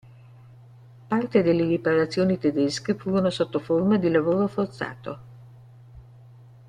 Parte delle riparazioni tedesche furono sotto forma di lavoro forzato.